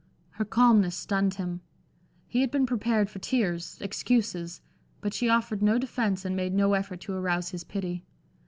Her calmness stunned him. He had been prepared for tears excuses but she offered no defence and made no effort to arouse his pity.